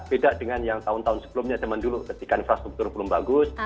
beda dengan yang tahun tahun sebelumnya zaman dulu ketika infrastruktur belum bagus